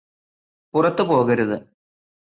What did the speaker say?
പുറത്ത് പോകരുത്